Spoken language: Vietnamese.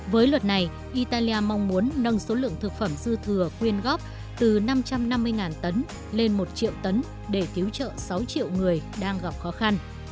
với luật này italia mong muốn nâng số lượng thực phẩm dư thừa quyên góp từ năm trăm năm mươi tấn lên một triệu tấn để cứu trợ sáu triệu người đang gặp khó khăn